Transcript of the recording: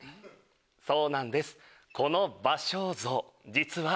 そうなんです。